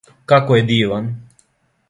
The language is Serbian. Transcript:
Како је диван!